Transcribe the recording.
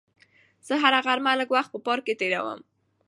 زه هره غرمه لږ وخت په پارک کې تېروم.